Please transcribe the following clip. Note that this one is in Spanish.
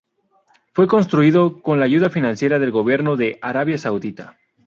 Fue construido con la ayuda financiera del gobierno de Arabia Saudita.